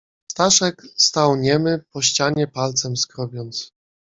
"Staszek stał niemy, po ścianie palcem skrobiąc."